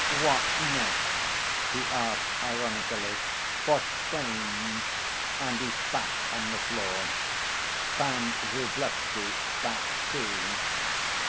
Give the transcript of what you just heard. "What next?" he asked ironically. "For shame!" and he spat on the floor. Pan Vrublevsky spat too.